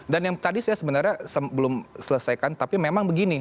dan yang tadi saya sebenarnya belum selesaikan tapi memang begini